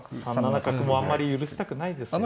３七角もあんまり許したくないですよね。